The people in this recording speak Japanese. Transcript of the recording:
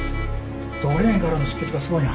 ドレーンからの出血がすごいな。